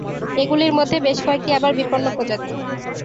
এগুলির মধ্যে বেশ কয়েকটি আবার বিপন্ন প্রজাতি।